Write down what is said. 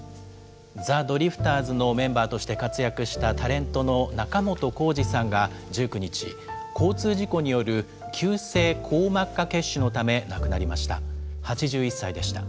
ザ・ドリフターズのメンバーとして活躍したタレントの仲本工事さんが、１９日、交通事故による急性硬膜下血腫のため亡くなりました。